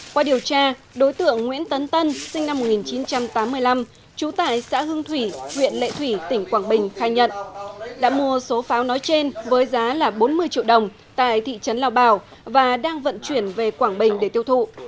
qua điều tra đối tượng nguyễn tấn tân sinh năm một nghìn chín trăm tám mươi năm trú tại xã hương thủy huyện lệ thủy tỉnh quảng bình khai nhận đã mua số pháo nói trên với giá là bốn mươi triệu đồng tại thị trấn lao bảo và đang vận chuyển về quảng bình để tiêu thụ